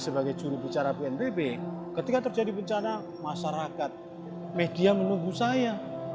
sebagai jurubicara bnpb ketika terjadi bencana masyarakat media menunggu saya